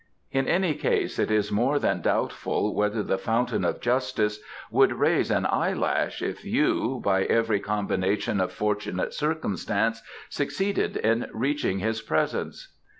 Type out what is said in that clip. In any case it is more than doubtful whether the Fountain of Justice would raise an eyelash if you, by every combination of fortunate circumstance, succeeded in reaching his presence."